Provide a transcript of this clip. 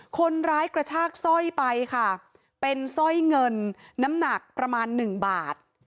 คนร้ายกระชากสร้อยไปค่ะเป็นสร้อยเงินน้ำหนักประมาณ๑บาท